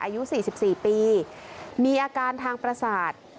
อายุสี่สิบสี่ปีมีอาการทางประสาท